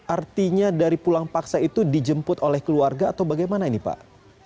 artinya dari pulang paksa itu dijemput oleh keluarga atau bagaimana ini pak